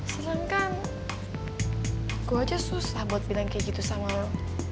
sedangkan gue aja susah buat bilang kayak gitu sama orang